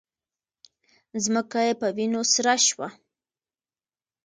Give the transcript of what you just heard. ځمکه یې په وینو سره شوه